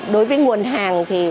đối với nguồn hàng